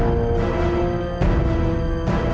aku beli jaket lah